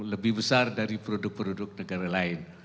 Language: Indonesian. lebih besar dari produk produk negara lain